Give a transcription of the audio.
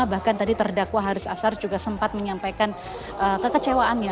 bahkan tadi terdakwa haris ashar juga sempat menyampaikan kekecewaannya